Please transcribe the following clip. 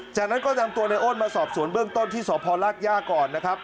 จากนั้นก็นำตัวในโอนมาสอบสวนเบื้องต้นที่สพลาดย่าก่อนนะครับ